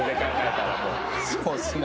そうっすね。